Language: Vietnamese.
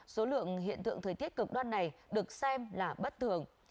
số lượng hiện tượng thời tiết cực đoan này được xem là bất thường